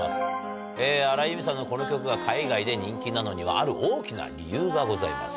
荒井由実さんのこの曲が海外で人気なのにはある大きな理由がございます。